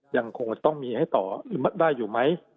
ยังคงต้องมีให้ต่อหรือได้อยู่ไหม